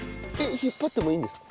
引っ張ってもいいんですか？